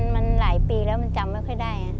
มันหลายปีแล้วมันจำไม่ค่อยได้